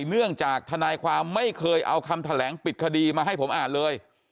เนื่องจากทนายความไม่เคยเอาคำแถลงปิดคดีมาให้ผมอ่านเลย